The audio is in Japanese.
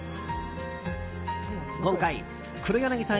今回、黒柳さん